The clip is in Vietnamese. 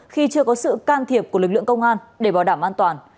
khi chưa có sự can thiệp của lực lượng công an để bảo đảm an toàn